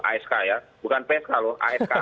ask ya bukan psk loh ask